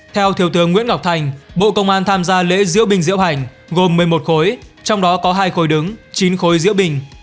theo thiếu tướng nguyễn ngọc thành bộ công an tham gia lễ diễu binh diễu hành gồm một mươi một khối trong đó có hai khối đứng chín khối diễu bình